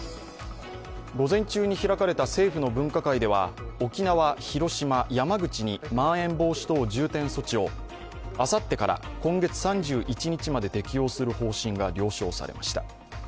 午前中に開かれた政府の分科会では、沖縄、広島、山口にまん延防止等重点措置をあさってから今月３１日まで適用する方針が了承されました。